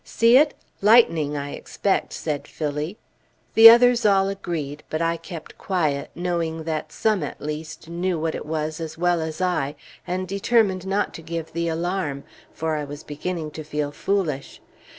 "See it? Lightning, I expect," said Phillie. The others all agreed; but I kept quiet, knowing that some, at least, knew what it was as well as I, and determined not to give the alarm for I was beginning to feel foolish.